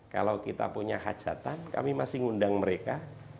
kalau kita punya hajatan kami masih ngundang mereka